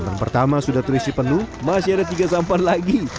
samp pertama sudah terisi penuh masih ada tiga sampan lagi